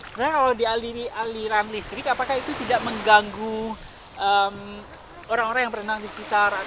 sebenarnya kalau dialiri aliran listrik apakah itu tidak mengganggu orang orang yang berenang di sekitar